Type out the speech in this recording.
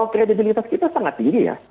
kredibilitas kita sangat tinggi ya